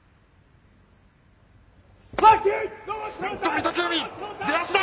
御嶽海戦。